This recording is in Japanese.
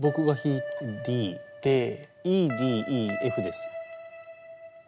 ＥＤＥＦです。